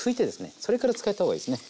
それから使った方がいいですね。